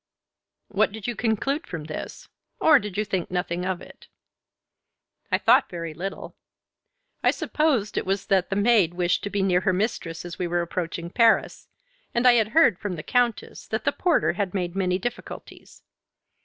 "What did you conclude from this? Or did you think nothing of it?" "I thought very little. I supposed it was that the maid wished to be near her mistress as we were approaching Paris, and I had heard from the Countess that the porter had made many difficulties.